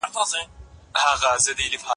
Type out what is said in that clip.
زه پرون لوښي مينځلي.